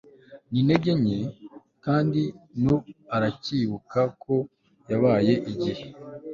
n'intege nke, kandi n'ubu aracyibuka uko yababaye igihe